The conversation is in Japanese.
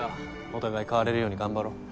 お互い変われるように頑張ろう。